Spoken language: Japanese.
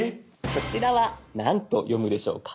こちらは何と読むでしょうか？